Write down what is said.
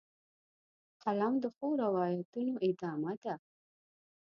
قلم د ښو روایتونو ادامه ده